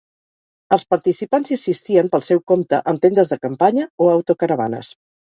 Els participants hi assistien pel seu compte amb tendes de campanya o autocaravanes.